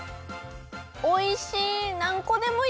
おいしい！